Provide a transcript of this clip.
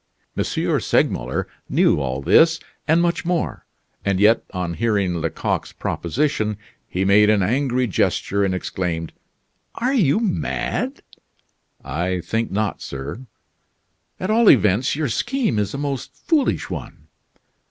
M. Segmuller knew all this, and much more, and yet, on hearing Lecoq's proposition, he made an angry gesture and exclaimed: "Are you mad?" "I think not, sir." "At all events your scheme is a most foolish one!"